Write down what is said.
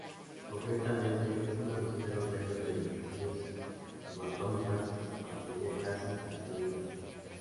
Concretamente, un agujero negro de dimensiones subatómicas desaparecería casi instantáneamente.